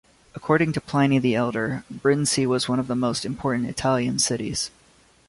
According to Pliny the Elder, Brindisi was one of the most important Italian cities.